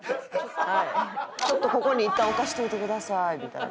ちょっとここにいったん置かしといてくださいみたいな。